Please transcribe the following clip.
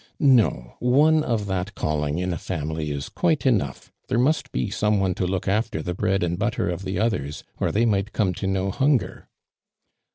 " No, one of tlyit calling in a family is (juite enough. There must be some one to look after the bread and butter of the others, or they might come to know hunger."